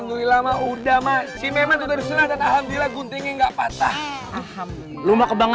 endum lain rumah langsung juga duitnya kadang